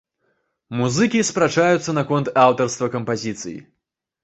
Музыкі спрачаюцца наконт аўтарства кампазіцый.